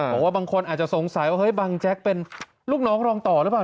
บอกว่าบางคนอาจจะสงสัยว่าเฮ้ยบังแจ๊กเป็นลูกน้องรองต่อหรือเปล่า